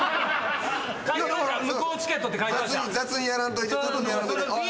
雑にやらんといて。